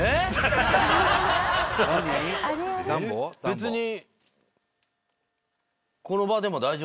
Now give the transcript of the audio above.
別に。